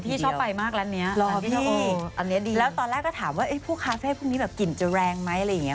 หลานที่ชอบไปมากแล้วเนี้ยหลานที่อันนี้ดีแล้วตอนแรกก็ถามว่าเอ๊ะผู้คาเฟ่พวกนี้แบบกลิ่นจะแรงไหมอะไรอย่างเงี้ย